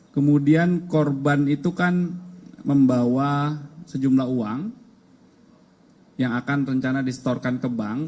kemudian korban itu kan membawa sejumlah uang yang akan rencana distorkan ke bank